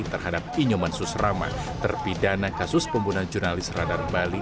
terhadap inyoman susrama terpidana kasus pembunuhan jurnalis radar bali